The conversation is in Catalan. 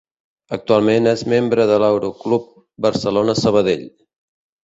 Actualment és membre de l'Aeroclub Barcelona-Sabadell.